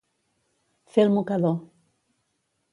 Fer el mocador.